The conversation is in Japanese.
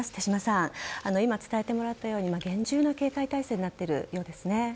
今伝えてもらったように厳重な警戒態勢になっているようですね。